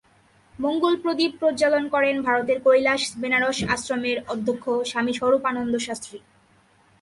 মঙ্গলপ্রদীপ প্রজ্বালন করেন ভারতের কৈলাস বেনারস আশ্রমের অধ্যক্ষ স্বামী স্বরূপানন্দ শাস্ত্রী।